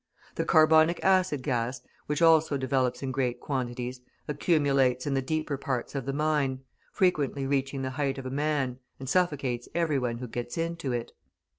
The carbonic acid gas, which also develops in great quantities, accumulates in the deeper parts of the mine, frequently reaching the height of a man, and suffocates every one who gets into it.